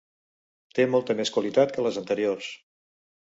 Té molta més qualitat que les anteriors.